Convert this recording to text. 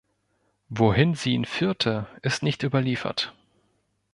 Wohin sie ihn führte, ist nicht überliefert.